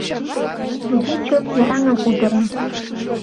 Туге чот йыраҥым удыра.